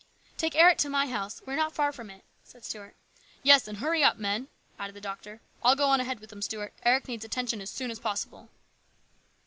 " Take Eric to my house ; we are not far from it," said Stuart. " Yes, and hurry up, men," added the doctor. " I'll go on ahead with them, Stuart. Eric needs attention as soon as possible."